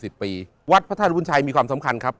วัดพระธาตุภาริปุ่นชัยมีความสำคัญครับ